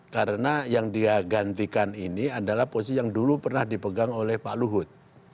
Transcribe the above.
karena yang dia gantikan ini adalah posisi yang dulu pernah dipegang oleh pak luhut